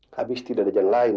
habis tidak ada jalan lain